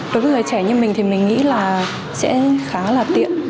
đối với người trẻ như mình thì mình nghĩ là sẽ khá là tiện